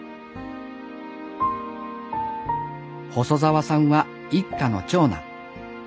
細澤さんは一家の長男。